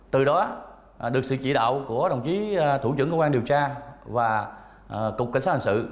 từ đó được sự chỉ đạo của đồng chí thủ trưởng công an điều tra và cục cảnh sát hành sự